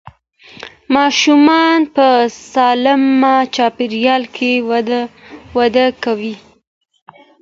ماشومان په سالمه چاپېریال کې وده کوي.